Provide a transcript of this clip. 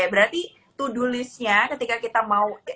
berarti to do listnya ketika kita mau